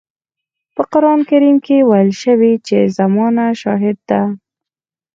په قرآن کريم کې ويل شوي چې زمانه شاهده ده.